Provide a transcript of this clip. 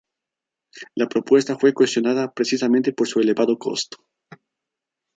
La propuesta fue cuestionada precisamente por su elevado costo.